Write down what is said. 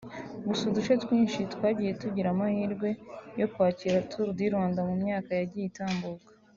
gusa uduce twinshi twagiye tugira amahirwe yo kwakira Tour du Rwanda mu myaka yagiye itambuka